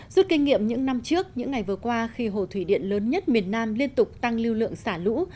rút kinh nghiệm những năm trước những ngày vừa qua khi hồ thủy điện lớn nhất miền nam liên tục tăng lưu lượng xả lũ